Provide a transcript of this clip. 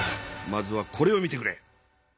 まずはこれを見てくれ。